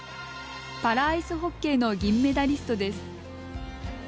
パラアイスホッケーの銀メダリストです。